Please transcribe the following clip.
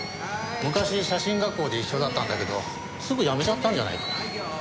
昔写真学校で一緒だったんだけどすぐ辞めちゃったんじゃないかな。